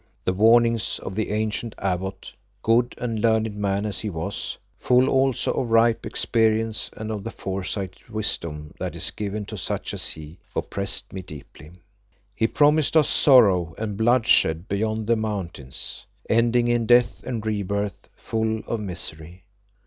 The warnings of the ancient abbot, good and learned man as he was, full also of ripe experience and of the foresighted wisdom that is given to such as he, oppressed me deeply. He promised us sorrow and bloodshed beyond the mountains, ending in death and rebirths full of misery.